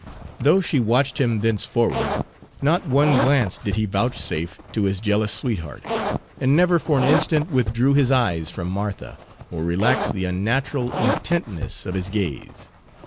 Though she watched him thenceforward, not one glance did he vouchsafe to his jealous sweetheart, and never for an instant withdrew his eyes from Martha, or relaxed the unnatural intentness of his gaze.